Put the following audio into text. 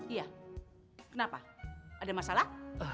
iya kenapa ada masalah